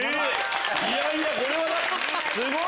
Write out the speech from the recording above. いやいやこれはすごい！